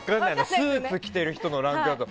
スーツ着ている人のランクだと。